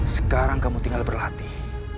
sekarang kamu tinggal berlatih